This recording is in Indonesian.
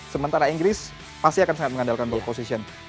sementara inggris pasti akan sangat mengandalkan ball position